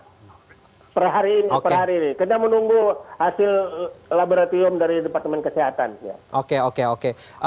ya per hari ini kita menunggu hasil laboratorium dari departemen kesehatan